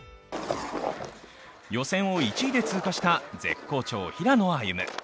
予選を１位で通過した絶好調、平野歩夢。